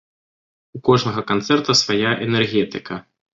У кожнага канцэрта свая энергетыка.